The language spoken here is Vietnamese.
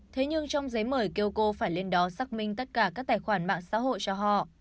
thế nhưng trong giấy mời keoko phải lên đó xác minh tất cả các tài khoản mạng xã hội cho họ